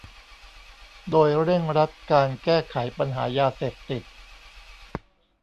โดยเร่งรัดการแก้ไขปัญหายาเสพติด